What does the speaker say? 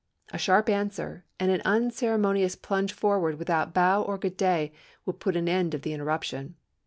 A sharp answer, and an unceremonious plunge forward without bow or good day, would put an end to the interruption.